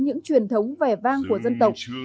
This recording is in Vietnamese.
những truyền thống vẻ vang của dân tộc